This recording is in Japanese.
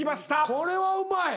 これはうまい！